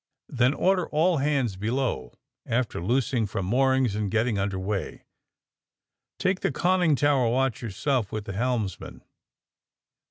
Then order all hands below, after loos ing from moorings and getting under way. Take the conning tower watch yourself with the helmsman.